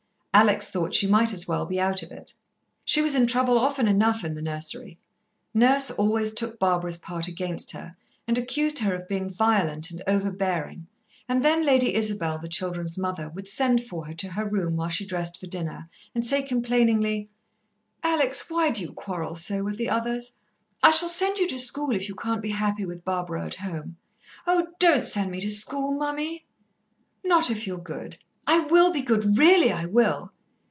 Alex thought she might as well be out of it. She was in trouble often enough in the nursery. Nurse always took Barbara's part against her, and accused her of being violent and over bearing, and then Lady Isabel, the children's mother, would send for her to her room while she dressed for dinner, and say complainingly: "Alex, why do you quarrel so with the others? I shall send you to school, if you can't be happy with Barbara at home." "Oh, don't send me to school, mummy." "Not if you're good." "I will be good, really, I will."